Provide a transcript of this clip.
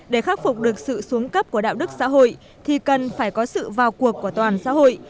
để khắc phục được sự xuống cấp của đạo đức xã hội thì cần phải có sự vào cuộc của toàn xã hội